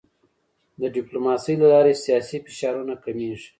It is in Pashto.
د ډیپلوماسی له لارې سیاسي فشارونه کمېږي.